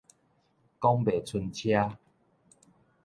講袂伸奢